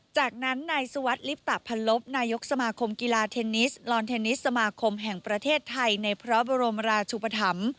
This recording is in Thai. จากนั้นนายสวัสดิลิปตะพันลบนายกสมาคมกีฬาเทนนิสลอนเทนนิสสมาคมแห่งประเทศไทยในพระบรมราชุปธรรม